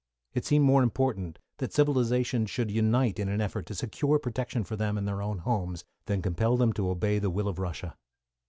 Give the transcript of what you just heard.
It seemed more important that civilisation should unite in an effort to secure protection for them in their own homes, than compel them to obey the will of Russia.